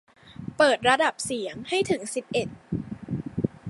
เปิดระดับเสียงให้ถึงสิบเอ็ด